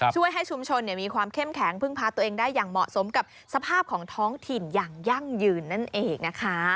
ช่วยให้ชุมชนมีความเข้มแข็งพึ่งพาตัวเองได้อย่างเหมาะสมกับสภาพของท้องถิ่นอย่างยั่งยืนนั่นเองนะคะ